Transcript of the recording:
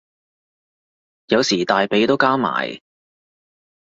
有時大髀都交埋